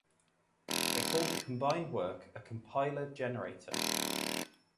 They called the combined work a 'compiler generator'.